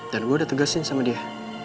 dan gue udah tegasin sama dia